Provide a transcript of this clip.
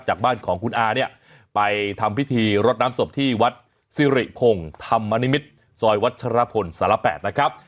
จากบ้านของคุณอาเนี่ยไปทำพิธีรดน้ำศพที่วัดสิริพงศ์ธรรมนิมิตรซอยวัชรพลสาร๘นะครับ